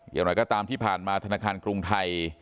อย่างไรก็ตามที่ผ่านมาธนาคารกรุงไทย